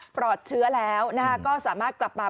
ปลอดเชื้อแล้วก็สามารถกลับมา